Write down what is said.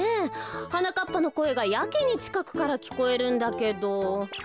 はなかっぱのこえがやけにちかくからきこえるんだけど。